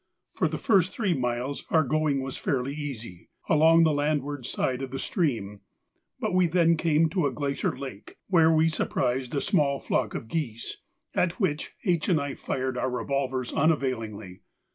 For the first three miles our going was fairly easy, along the landward side of the stream, but we then came to a glacier lake, where we surprised a small flock of geese, at which H. and I fired our revolvers unavailingly.